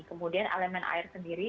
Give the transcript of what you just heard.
kemudian elemen air sendiri